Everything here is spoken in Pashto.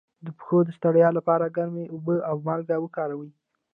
د پښو د ستړیا لپاره ګرمې اوبه او مالګه وکاروئ